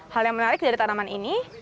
hal yang menarik dari tanaman ini